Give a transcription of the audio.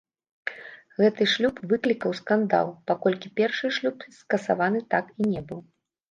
Гэты шлюб выклікаў скандал, паколькі першы шлюб скасаваны так і не быў.